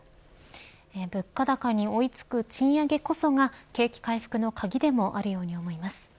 物価高に追い付く賃上げこそが景気回復の鍵でもあるように思います。